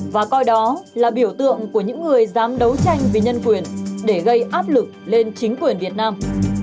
và coi đó là biểu tượng của những người dám đấu tranh vì nhân quyền để gây áp lực lên chính quyền việt nam